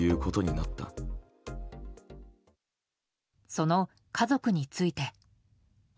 その家族について。